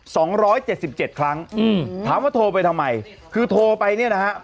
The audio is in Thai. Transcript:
สองร้อยเจ็ดสิบเจ็ดครั้งอืมถามว่าโทรไปทำไมคือโทรไปเนี่ยนะฮะ